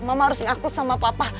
mama harus ngakut sama papa